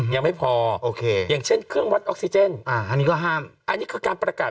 ยังไม่พออย่างเช่นเครื่องวัดออกซีเจนอันนี้ก็ห้ามนี่ก็กราบประกาศ